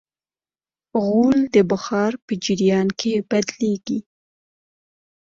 غول د بخار په جریان کې بدلېږي.